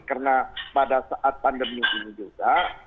karena pada saat pandemi ini juga